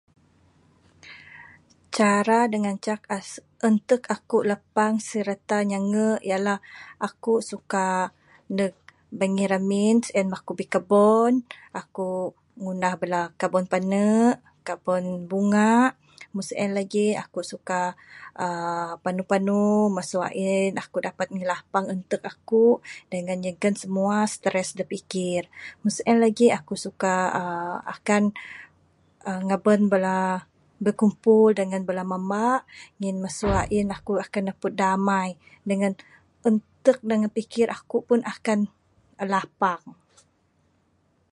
Cara dak ngancak as intek ku lapang serta ngenge ialah aku suka ndek bingih remin sien mah ku suka bikebon aku ngundah bala kebon pane kabon bunga mung sien legi aku suka uhh panu panu mesu in aku dapat ngilapang intek aku dengan nyigan semua stress dak pikir mung sien lagi aku suka uhh akan uhh ngeban bala bikumpol dengan bala memba ngin mesu in aku neput damai dengan intek dengan pikir aku pun lapang.